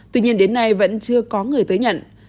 tuy nhiên đến nay vẫn chưa có người tới nhận